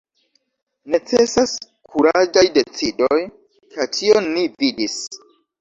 Necesas kuraĝaj decidoj, kaj tion ni vidis.